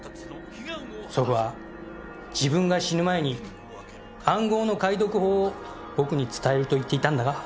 祖父は自分が死ぬ前に暗号の解読法を僕に伝えると言っていたんだが。